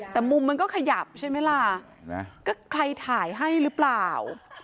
แต่มุมมันก็ขยับใช่ไหมล่ะก็ใครถ่ายให้หรือเปล่า